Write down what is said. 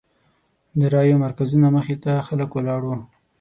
د رایو مرکزونو مخې ته خلک ولاړ وو.